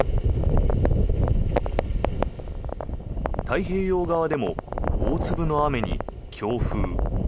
太平洋側でも大粒の雨に強風。